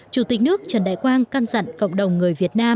chủ tịch nước trần đại quang căn dặn cộng đồng người việt nam